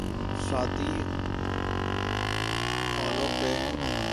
شادی ہالوں پہ۔